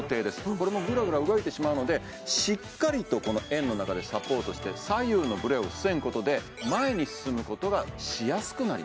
これもグラグラ動いてしまうのでしっかりとこの円の中でサポートして左右のブレを防ぐことで前に進むことがしやすくなります